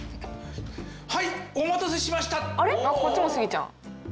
はいお待たせしました！